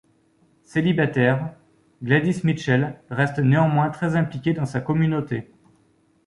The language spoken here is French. Célibataire, Gladys Mitchell reste néanmoins très impliquée dans sa communauté.